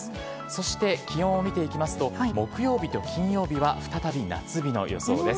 そして気温を見ていきますと、木曜日と金曜日は再び夏日の予想です。